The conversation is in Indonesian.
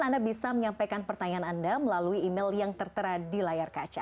anda bisa menyampaikan pertanyaan anda melalui email yang tertera di layar kaca